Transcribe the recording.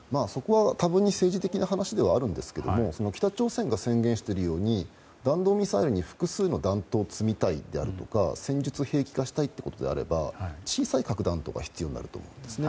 多分に政治的な話ですが北朝鮮が宣言しているように弾道ミサイルに複数の弾頭を積みたいであるとか戦術兵器化したいということであれば小さい核弾頭が必要になると思います。